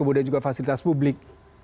atau juga fasilitas publik